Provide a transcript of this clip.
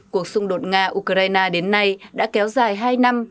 cuộc xung đột nga ukraine đến nay đã kéo dài hai năm